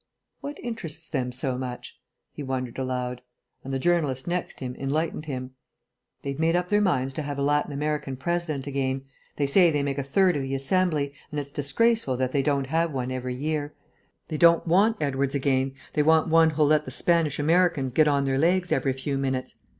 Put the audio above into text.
"What interests them so much?" he wondered aloud, and the journalist next him enlightened him. "They've made up their minds to have a Latin American President again. They say they make a third of the Assembly, and it's disgraceful that they don't have one every year. They don't want Edwardes again; they want one who'll let the Spanish Americans get on their legs every few minutes.